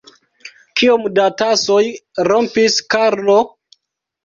Kiom da tasoj rompis Karlo?